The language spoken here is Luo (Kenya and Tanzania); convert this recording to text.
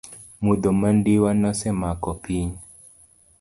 Mudho mandiwa nosemako piny.